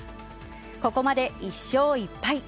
ここまで１勝１敗。